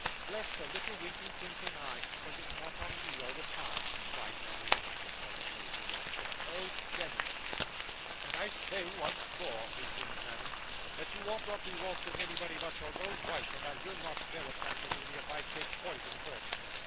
'Bless the little winking twinkling eye; was it on me all the time!' cried Mantalini, in a sort of lazy rapture. 'Oh, demmit!' 'And I say once more,' resumed Madame, 'that you ought not to waltz with anybody but your own wife; and I will not bear it, Mantalini, if I take poison first.